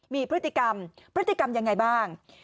มีพฤติกรรมพฤติกรรมยังไงบ้าง